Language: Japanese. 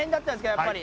やっぱり。